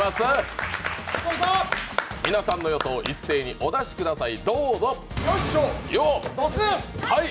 皆さんの予想、一斉にお出しください。